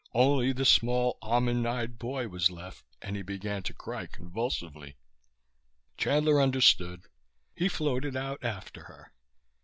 Only the small almond eyed boy was left, and he began to cry convulsively. Chandler understood. He floated out after her.